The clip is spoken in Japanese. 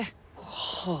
はあ。